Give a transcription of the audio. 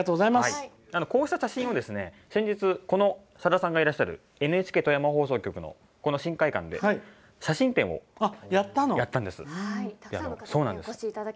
こうした写真を先日さださんがいらっしゃるＮＨＫ富山放送局の新会館で写真展をやったんです。